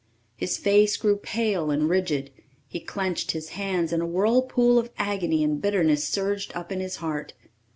His face grew pale and rigid; he clenched his hands and a whirlpool of agony and bitterness surged up in his heart.